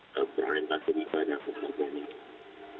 dan pemerintah pemerintah yang berpengaruh